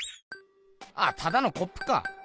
ただのコップか。